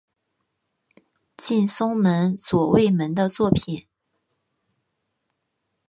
近松门左卫门的作品。